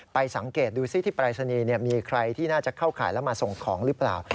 สังเกตดูซิที่ปรายศนีย์มีใครที่น่าจะเข้าข่ายแล้วมาส่งของหรือเปล่า